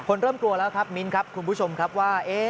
เริ่มกลัวแล้วครับมิ้นครับคุณผู้ชมครับว่า